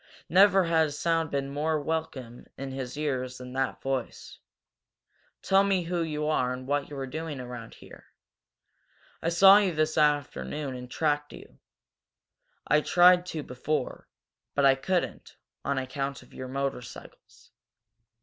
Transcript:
Never had a sound been more welcome in his ears than that voice. "Tell me who you are and what you two were doing around here. I saw you this afternoon and tracked you. I tried to before, but I couldn't, on account of your motorcycles.